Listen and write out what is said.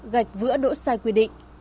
gạch vữa đỗ sai quy định